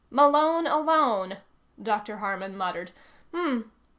"Malone alone," Dr. Harman muttered. "Hmm.